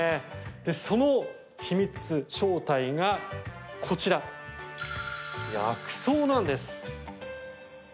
その秘密、正体がこちら薬草なんです。